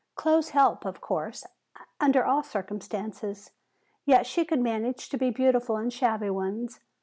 Clothes help, of course, under all circumstances, yet she could manage to be beautiful in shabby ones.